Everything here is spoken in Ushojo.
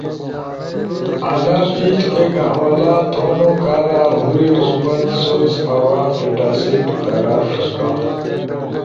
انا پیج ایک حوالا تھونو کارا ہورے اوپن سورس آواز ڈیٹاسیٹ کارا ݜکا،